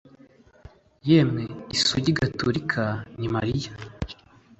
Yemwe isugi gatolika ni Mariya